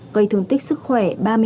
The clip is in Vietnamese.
gây thương tích sức khỏe ba mươi năm